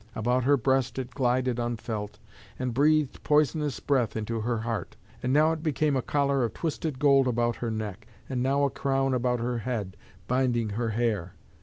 About her breast it glided unfelt, and breathed poisonous breath into her heart. And now it became a collar of twisted gold about her neck, and now a crown about her head, binding her hair.